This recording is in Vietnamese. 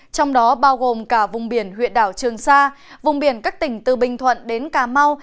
trong đó bao gồm cả vùng biển huyện đảo trường sa vùng biển các tỉnh từ bình thuận đến cà mau